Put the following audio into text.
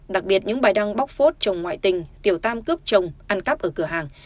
đặc biệt những bài đăng bóc phốt chồng ngoại tình tiểu tam cướp chồng ăn cắp ở cửa hàng